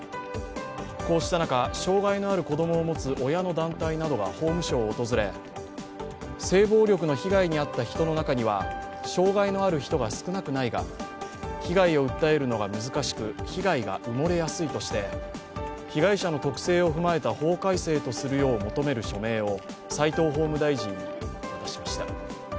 こうした中、障害のある子供を持つ親の団体などが法務省を訪れ、性暴力の被害に遭った人の中には障害のある人が少なくないが、被害を訴えるのが難しく、被害が埋もれやすいとして、被害者の特性を踏まえた法改正を求める署名を齋藤法務大臣に渡しました。